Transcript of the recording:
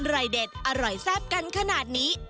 เด็ดอร่อยแซ่บกันขนาดนี้